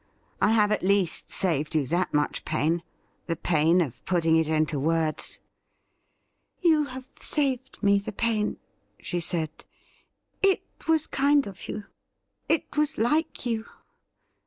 I have at least saved you that much pain — the pain of putting it into words.' ' You have saved me the pain,' she said. ' It was kind of you — it was like you.